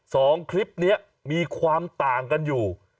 สองคลิปนี้มีความต่างกันอยู่